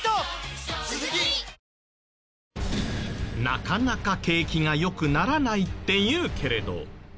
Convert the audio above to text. なかなか景気が良くならないって言うけれど。